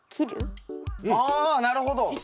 あなるほど。